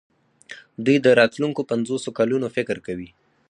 دوی د راتلونکو پنځوسو کلونو فکر کوي.